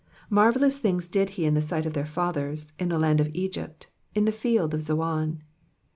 12 Marvellous things did he in the sight of their fathers, in the land of Egypt, in the field of Zoan.